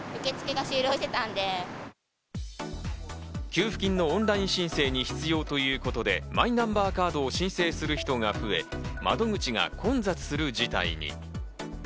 給付金のオンライン申請に必要ということでマイナンバーカードを申請する人が増え、窓口が混雑する事態に。